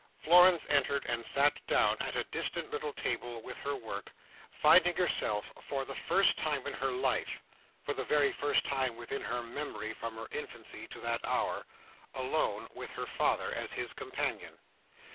Florence entered, and sat down at a distant little table with her work: finding herself for the first time in her life—for the very first time within her memory from her infancy to that hour—alone with her father, as his companion.